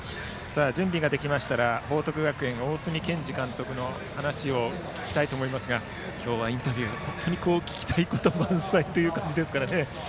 準備ができましたら報徳学園、大角健二監督の話を聞きたいと思いますが今日はインタビュー聞きたいこと満載という感じですからね。